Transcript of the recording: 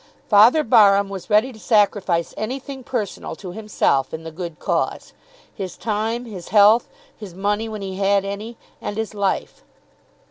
Father Barham was ready to sacrifice anything personal to himself in the good cause, his time, his health, his money when he had any, and his life.